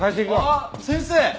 あっ先生！